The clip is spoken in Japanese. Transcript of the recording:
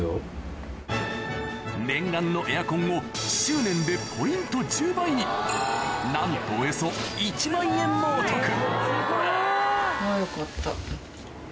念願のエアコンを執念でポイント１０倍になんとおよそ１万円もお得